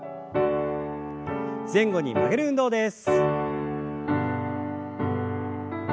前後に曲げる運動です。